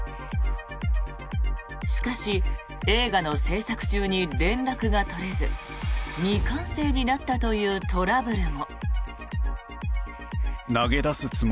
しかし、映画の制作中に連絡が取れず未完成になったというトラブルも。